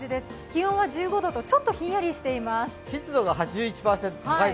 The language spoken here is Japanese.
気温は１５度と、ちょっとひんやりしています。